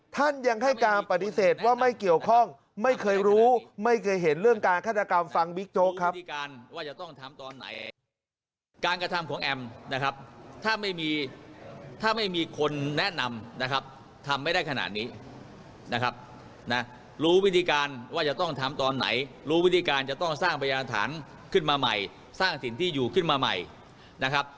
ท่านยังให้การปฏิเสธว่าไม่เกี่ยวข้องไม่เคยรู้ไม่เคยเห็นเรื่องการฆาตกรรมฟังบิ๊กโจ๊กครับ